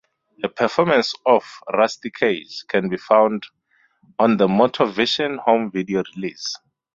A performance of "Rusty Cage" can be found on the "Motorvision" home video release.